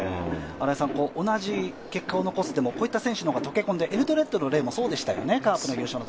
同じ結果を残すでも、こういった選手の方がとけ込んでエルドレッドの例もそうでしたよね。